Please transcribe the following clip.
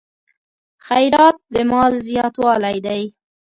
خیرات د مال زیاتوالی دی.